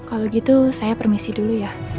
kalau gitu saya permisi dulu ya